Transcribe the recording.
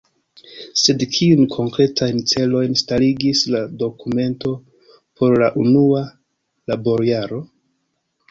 Sed kiujn konkretajn celojn starigis la dokumento por la unua laborjaro?